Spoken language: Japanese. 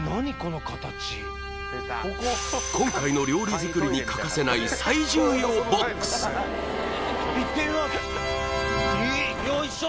今回の料理作りに欠かせない最重要ボックスいってみます